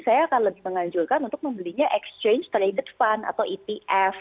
saya akan lebih menganjurkan untuk membelinya exchange trade fund atau etf